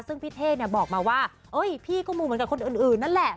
ซึ่งพี่เท่เนี่ยบอกมาว่าพี่ก็มูเหมือนกับคนอื่นนั่นแหละ